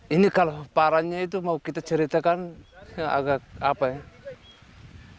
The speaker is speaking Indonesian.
ini kalau paranya itu mau kita ceritakan agak apa ya